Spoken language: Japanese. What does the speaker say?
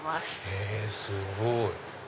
へぇすごい！